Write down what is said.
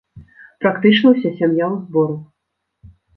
Практычна ўся сям'я ў зборы.